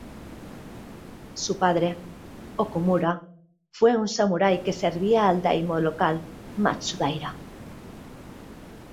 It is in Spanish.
Su padre, Okumura, fue un samurái que servía al daimyō local Matsudaira.